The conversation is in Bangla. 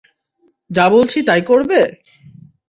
যা বলেছি তাই করবে?